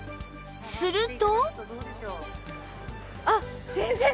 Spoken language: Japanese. すると